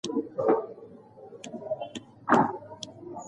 کمپیوټر په مېز باندې د استفادې لپاره اېښودل شوی دی.